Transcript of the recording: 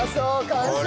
完成！